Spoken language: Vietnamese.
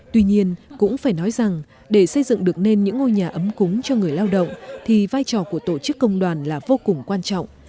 tuy nhiên cũng phải nói rằng để xây dựng được nên những ngôi nhà ấm cúng cho người lao động thì vai trò của tổ chức công đoàn là vô cùng quan trọng